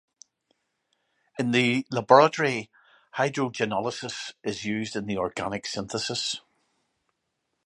In the laboratory, hydrogenolysis is used in organic synthesis.